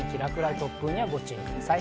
突風などにご注意ください。